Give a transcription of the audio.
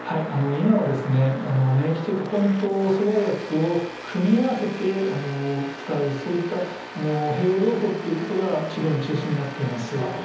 今は免疫チェックポイント阻害薬を組み合わせて使うそういった併用療法っていうことが治療の中心になっています。